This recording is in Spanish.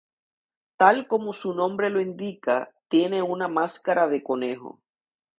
Tal como su nombre lo indica, tiene una máscara de conejo.